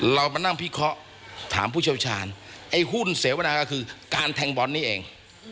เรามานั่งพิเคราะห์ถามผู้เชี่ยวชาญไอ้หุ้นเสวนาก็คือการแทงบอลนี่เอง